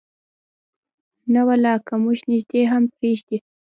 نه ولا که مو نږدې هم پرېږدي.